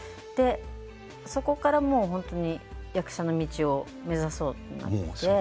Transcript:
そこから本当に役者の道を目指そうとなって。